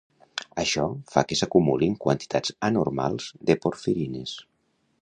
Això fa que s'acumulin quantitats anormals de porfirines